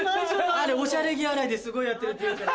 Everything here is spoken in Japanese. あれオシャレ着洗いですごいやってるっていうから。